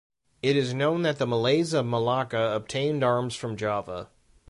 It is known that the Malays of Malacca obtained arms from Java.